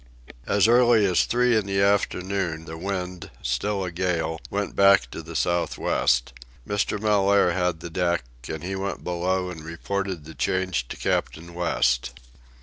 As early as three in the afternoon the wind, still a gale, went back to the south west. Mr. Mellaire had the deck, and he went below and reported the change to Captain West.